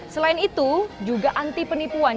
selain itu juga anti penipuan